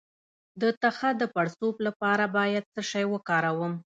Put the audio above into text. د تخه د پړسوب لپاره باید څه شی وکاروم؟